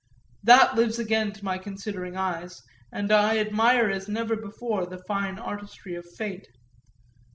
That lives again to my considering eyes, and I admire as never before the fine artistry of fate.